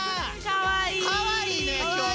かわいいね今日！